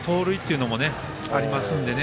一塁ランナー盗塁というのもありますのでね。